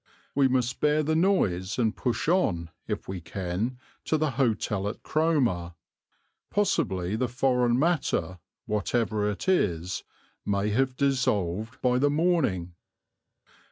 We must bear the noise and push on, if we can, to the hotel at Cromer. Possibly the foreign matter, whatever it is, may have dissolved by the morning."